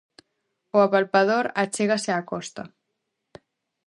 O Apalpador achégase á Costa.